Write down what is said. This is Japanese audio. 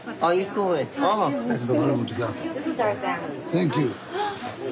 サンキュー。